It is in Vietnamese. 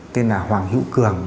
tên là hoàng hữu cường